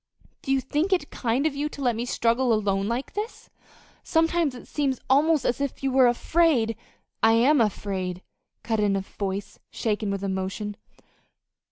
"Do you think it kind of you to let me struggle along alone like this? Sometimes it seems almost as if you were afraid " "I am afraid," cut in a voice shaken with emotion.